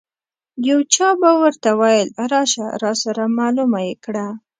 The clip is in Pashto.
یو چا به ورته ویل راشه راسره معلومه یې کړه.